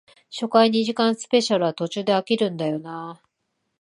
初回二時間スペシャルは途中で飽きるんだよなあ